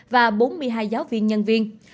và bốn mươi hai giáo viên nhân viên